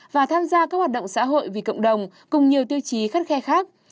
và tham gia các hoạt động xã hội vì cộng đồng cùng nhiều tiêu chí khắt khe khác